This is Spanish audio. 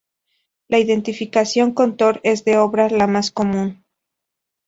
La identificación con Thor es de sobra la más común.